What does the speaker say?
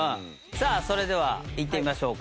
さあそれではいってみましょうか。